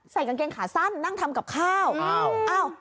ใส่กางเกงขาสั้นนั่งทำกับข้าวอ้าวอ้าว